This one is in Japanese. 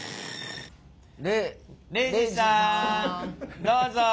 礼二さんどうぞ。